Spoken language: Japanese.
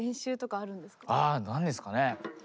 あ何ですかね？